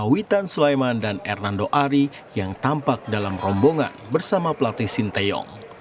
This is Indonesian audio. witan sulaiman dan hernando ari yang tampak dalam rombongan bersama pelatih sinteyong